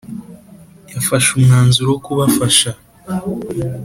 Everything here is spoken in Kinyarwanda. yafashe umwanzuro wo kubafasha